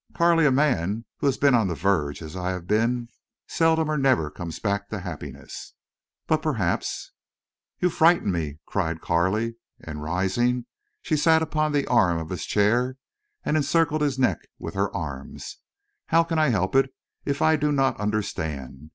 "Carley, a man who has been on the verge—as I have been—seldom or never comes back to happiness. But perhaps—" "You frighten me," cried Carley, and, rising, she sat upon the arm of his chair and encircled his neck with her arms. "How can I help if I do not understand?